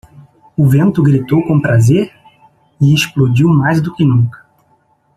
O vento gritou com prazer? e explodiu mais do que nunca.